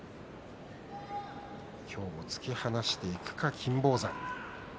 今日も突き放していくか金峰山。